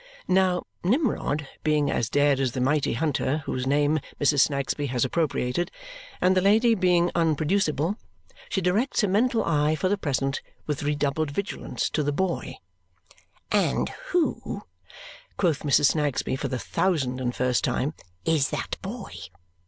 Now, Nimrod being as dead as the mighty hunter whose name Mrs. Snagsby has appropriated, and the lady being unproducible, she directs her mental eye, for the present, with redoubled vigilance to the boy. "And who," quoth Mrs. Snagsby for the thousand and first time, "is that boy?